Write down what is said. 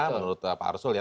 menurut pak arsul ya